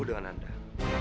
ya ya nah